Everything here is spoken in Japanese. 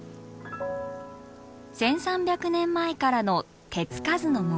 １，３００年前からの手付かずの森。